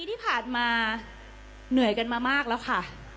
ที่ผ่านมาเหนื่อยกันมามากแล้วค่ะ